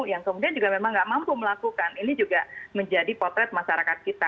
yang kemudian juga memang tidak mampu melakukan ini juga menjadi potret masyarakat kita